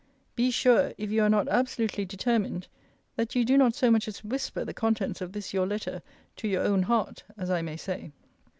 Be sure, if you are not absolutely determined, that you do not so much as whisper the contents of this your letter to your own heart, as I may say.